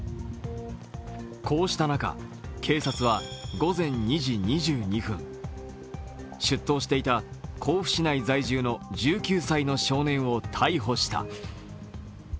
こうした中、警察は午前２時２２分、出頭していた甲府市内在住の１９歳の少年を逮捕した。